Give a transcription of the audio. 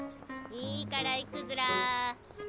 いいから行くずら。